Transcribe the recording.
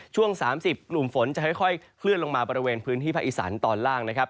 ช่วง๓๐กลุ่มฝนจะค่อยเคลื่อนลงมาบริเวณพื้นที่ภาคอีสานตอนล่างนะครับ